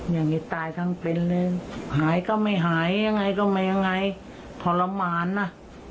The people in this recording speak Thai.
อย่างนี้ตายทั้งเป็นเลยหายก็ไม่หายยังไงก็ไม่ยังไงทรมานนะ